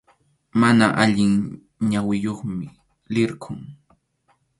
Mana allin ñawiyuqmi, lirqʼum.